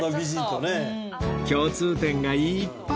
共通点がいっぱい！